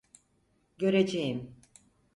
Göreceğim.